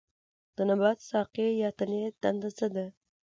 د نبات ساقې یا تنې دنده څه ده